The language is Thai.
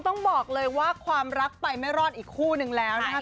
ต้องบอกเลยว่าความรักไปไม่รอดอีกคู่นึงแล้วนะครับ